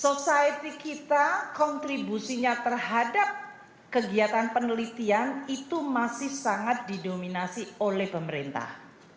society kita kontribusinya terhadap kegiatan penelitian itu masih sangat didominasi oleh pemerintah